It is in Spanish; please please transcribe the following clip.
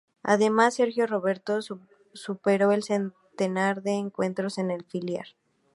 Además, Sergi Roberto superó el centenar de encuentros con el filial.